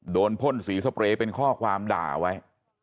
พ่นสีสเปรย์เป็นข้อความด่าไว้